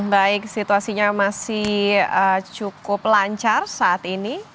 baik situasinya masih cukup lancar saat ini